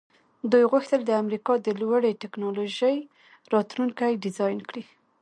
دوی غوښتل د امریکا د لوړې ټیکنالوژۍ راتلونکی ډیزاین کړي